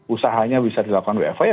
usahanya bisa dilakukan wfi